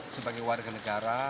sebagai warga negara